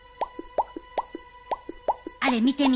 あれ見てみ。